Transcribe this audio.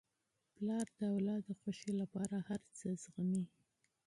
پلار د اولاد د خوښۍ لپاره هر څه زغمي.